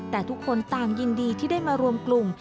แต่ทุกคนต่างยินดีที่ได้มารวมกลุ่ม